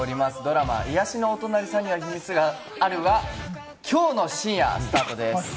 ドラマ『癒やしのお隣さんには秘密がある』はきょうの深夜スタートです。